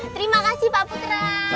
terima kasih pak putra